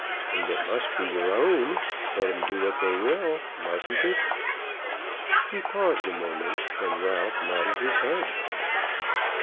And it must be your own, let 'em do what they will; mustn't it?" He paused a moment, and Ralph nodded his head.